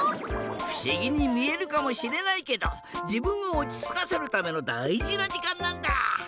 ふしぎにみえるかもしれないけどじぶんをおちつかせるためのだいじなじかんなんだ。